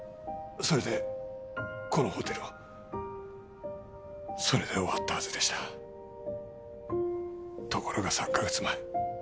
それでこのホテルをそれで終わったはずでしたところが３カ月前